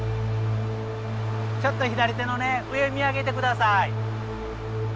ちょっと左手のね上見上げて下さい。